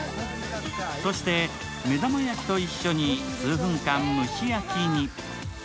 そして目玉焼きと一緒に数分間蒸し焼きに。